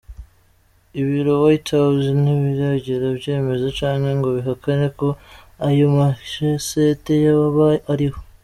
Ibiro White House ntibirigera vyemeza canke ngo bihakane ko ayo ma "cassettes" yoba ariho.